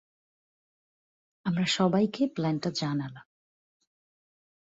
আমরা সবাইকে প্ল্যানটা জানালাম।